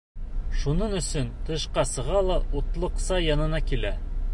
Шуның өсөн тышҡа сыға ла утлыҡса янына килә.